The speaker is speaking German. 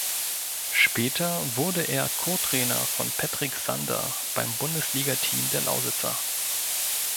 Später wurde er Co-Trainer von Petrik Sander beim Bundesligateam der Lausitzer.